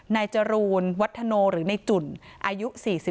นายจรูนวัตถโหน์หรือไน่จุ่นอายุ๔๖